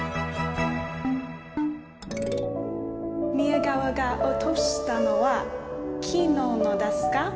宮川が落としたのは金の斧ですか？